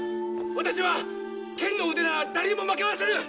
私は剣の腕なら誰にも負けませぬ！